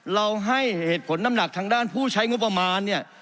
ให้เหตุผลน้ำหนักทางด้านผู้ใช้งบประมาณเนี่ย